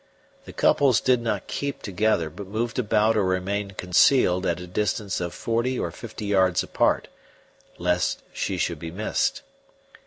The couples did not keep together, but moved about or remained concealed at a distance of forty or fifty yards apart, lest she should be missed.